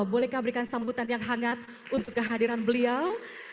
bolehkah berikan sambutan yang hangat untuk kehadiran beliau